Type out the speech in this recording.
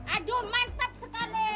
aduh mantap sekali